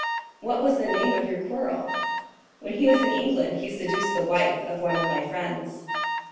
"What was the cause of your quarrel?" "When he was in England he seduced the wife of one of my friends."